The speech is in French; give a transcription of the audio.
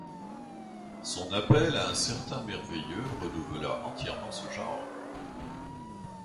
Son appel à un certain merveilleux renouvela entièrement ce genre.